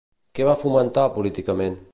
Què va fomentar políticament?